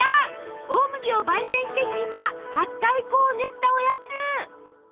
大麦をばい煎してひいたはったい粉を練ったおやつ。